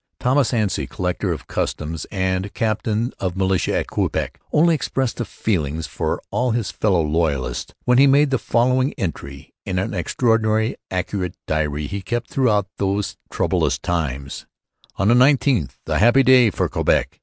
Thomas Ainslie, collector of customs and captain of militia at Quebec, only expressed the feelings of all his fellow loyalists when he made the following entry in the extremely accurate diary he kept throughout those troublous times: 'On the 19th (a Happy Day for Quebec!)